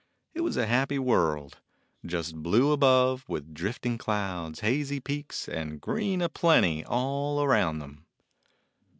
It was a happy world — just blue above, with drifting clouds, hazy peaks, and green a plenty all around them.